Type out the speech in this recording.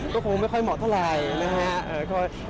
ก็คงไม่ค่อยเหมาะเท่าไหร่นะครับ